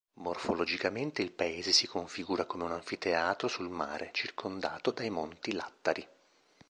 Morfologicamente il paese si configura come un anfiteatro sul mare, circondato dai monti Lattari.